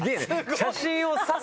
写真を指す